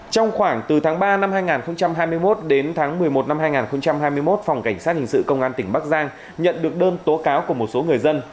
trong khoảng từ tháng ba năm hai nghìn hai mươi một đến tháng một mươi một năm hai nghìn hai mươi một phòng cảnh sát hình sự công an tỉnh bắc giang nhận được đơn tố cáo của một số người dân